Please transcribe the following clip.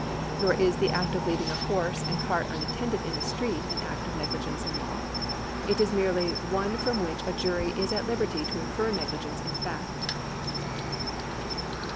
^ Nor is the act of leaving a horse and cart unattended in the street an act of negligence in law ; it is merely one from which a jury is at liberty to infer negligence in fact.